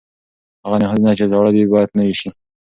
هغه نهادونه چې زاړه دي باید نوي سي.